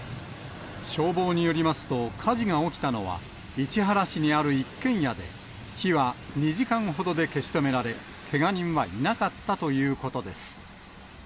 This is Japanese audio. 消防によりますと、火事が起きたのは、市原市にある一軒家で、火は２時間ほどで消し止められ、けが人はいなかったということです。